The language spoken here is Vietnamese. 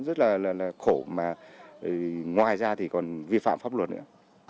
rất là khổ mà ngoài ra thì còn vi phạm pháp luật nữa